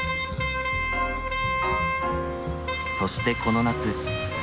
そしてこの夏。